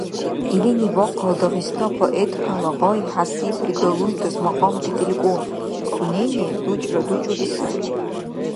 Илини бахъал Дагъиста поэтунала гъай хӀясибли далуйтас макьамти делкӀун, сунени дучӀра-дучӀули сай.